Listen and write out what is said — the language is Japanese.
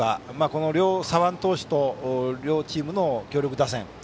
この両左腕投手と両チームの強力打線。